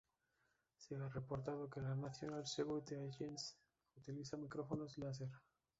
Se ha reportado que la "National Security Agency" utiliza micrófonos láser.